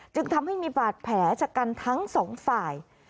จึงทำให้มีบาดแผลชะกันทั้งสองฝ่าย